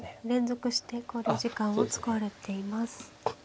連続して考慮時間を使われています。